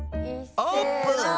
オープン！